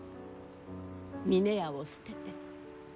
峰屋を捨てて。